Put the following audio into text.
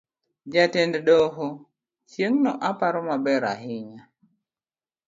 Jatend doho, chieng' no aparo maber ahinya.